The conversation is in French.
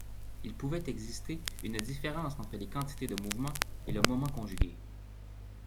il pouvait exister une différence entre la quantité de mouvement et le moment conjugué